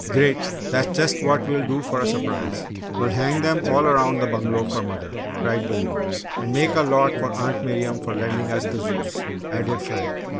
"Great! That's just what we'll do for a surprise. We'll hang them all around the bungalow for mother!" cried Billy. "And make a lot for Aunt Miriam for lending us the Zeus," added Fred.